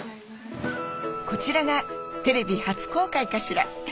こちらがテレビ初公開かしら？